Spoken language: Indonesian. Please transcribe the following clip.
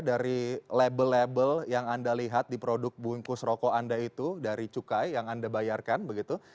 dari label label yang anda lihat di produk bungkus rokok anda itu dari cukai yang anda bayarkan begitu